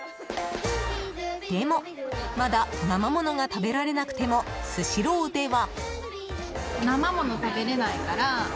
でも、まだ生ものが食べられなくてもスシローでは。